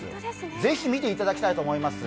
ぜひ見ていただきたいと思います。